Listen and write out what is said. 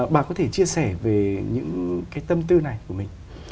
bà có thể chia sẻ về những cái tâm tư này của mình